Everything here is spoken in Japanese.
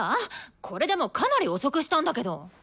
これでもかなり遅くしたんだけど！